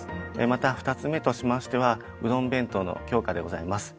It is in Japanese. また２つ目としましては「うどん弁当」の強化でございます。